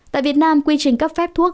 tại việt nam quy trình cấp phép thuốc